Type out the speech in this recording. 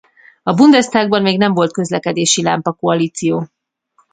A Bundestagban még nem volt közlekedési lámpa koalíció.